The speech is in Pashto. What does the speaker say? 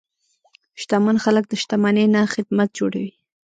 شتمن خلک د شتمنۍ نه خدمت جوړوي.